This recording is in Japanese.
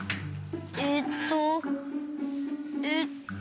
えっとえっと。